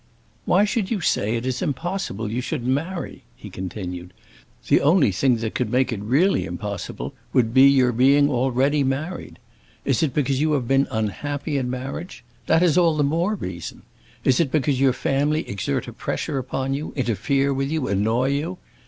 "Why should you say it is impossible you should marry?" he continued. "The only thing that could make it really impossible would be your being already married. Is it because you have been unhappy in marriage? That is all the more reason! Is it because your family exert a pressure upon you, interfere with you, annoy you?